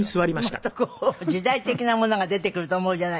もっとこう時代的なものが出てくると思うじゃないですか。